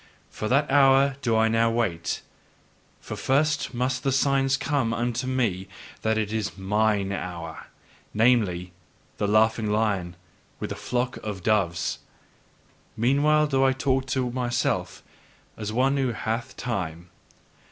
For that hour do I now wait: for first must the signs come unto me that it is MINE hour namely, the laughing lion with the flock of doves. Meanwhile do I talk to myself as one who hath time.